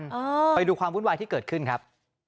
ไปดูความวุ่นวายที่เกิดขึ้นครับ